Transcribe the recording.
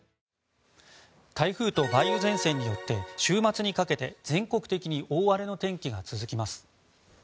台風と梅雨前線によって週末にかけて全国的に大荒れの天気が続きます。